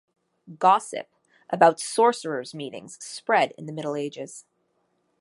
Gossip about sorcerers' meetings spread in the middle ages.